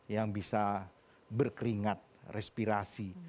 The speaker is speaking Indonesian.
yang bisa berkeringat respirasi